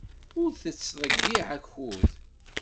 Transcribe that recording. Ur tettḍeyyiɛ akud.